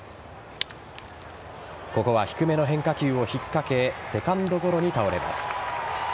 ここは低めの変化球を引っかけセカンドゴロに倒れます。